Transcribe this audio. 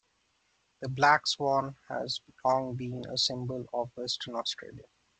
The black swan has long been a symbol of Western Australia.